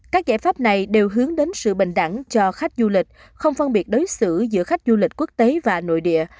các giải pháp này đều hướng đến sự bình đẳng cho khách du lịch không phân biệt đối xử giữa khách du lịch quốc tế và nội địa